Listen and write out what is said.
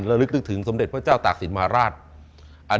ระลึกนึกถึงสมเด็จพระเจ้าตากศิลปราช